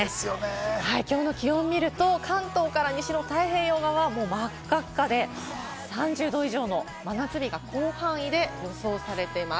きょうの気温を見ると、関東から西の太平洋側は真っ赤っかで３０℃以上の真夏日が広範囲で予想されています。